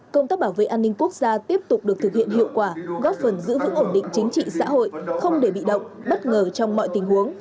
công tác bảo vệ an ninh quốc gia tiếp tục được thực hiện hiệu quả góp phần giữ vững ổn định chính trị xã hội không để bị động bất ngờ trong mọi tình huống